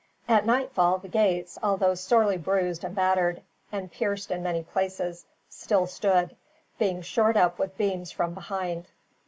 At nightfall the gates, although sorely bruised and battered, and pierced in many places, still stood; being shored up with beams from behind.